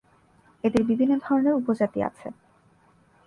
এদের বিভিন্ন ধরনের উপজাতি আছে।